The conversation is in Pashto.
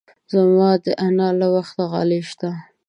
زما د انا له وخته غالۍ شته.